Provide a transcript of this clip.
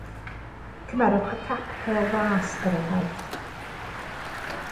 Cymerwch y cap pêl-fas, er enghraifft.